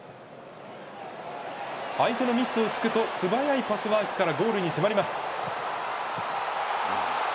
相手のミスを突くと素早いパスワークからゴールに迫ります。